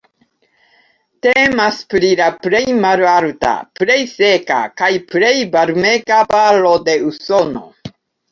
Temas pri la plej malalta, plej seka kaj plej varmega valo de Usono.